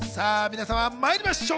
皆様まいりましょう。